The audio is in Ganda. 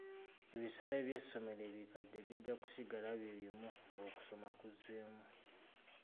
Ebisale by'essomero ebikadde bijja kusigala bye bimu ng'okusoma kuzzeemu.